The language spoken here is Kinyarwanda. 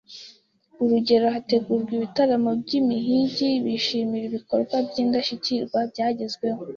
urugerero hategurwa igitaramo cy’Imihigi, bishimira ibikorwa by’ indashyikirwa byagezweho